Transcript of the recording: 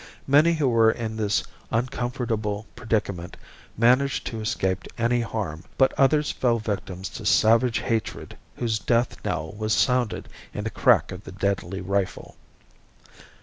Many who were in this uncomfortable predicament managed to escape any harm, but others fell victims to savage hatred whose death knell was sounded in the crack of the deadly rifle.